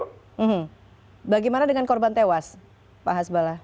hmm bagaimana dengan korban tewas pak hasbala